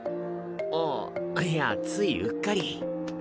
あいやついうっかり。